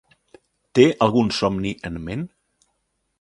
Té algun somni en ment?